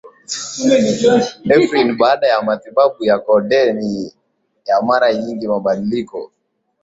efrin Baada ya matibabu ya kokeni ya mara nyingi mabadiliko